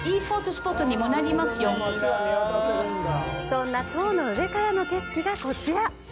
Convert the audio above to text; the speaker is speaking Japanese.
そんな塔の上からの景色がこちら！